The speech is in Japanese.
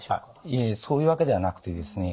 いえそういうわけではなくてですね